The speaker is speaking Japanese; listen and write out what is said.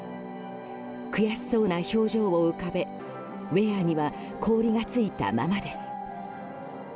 悔しそうな表情を浮かべウェアには氷がついたままです。